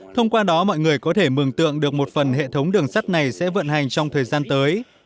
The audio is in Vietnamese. thông qua đó mọi người có thể mừng tượng được một phần hệ thống đường sắt này sẽ vận hành trong thời gian tới